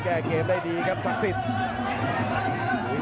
ขวางแขงขวาเจอเททิ้ง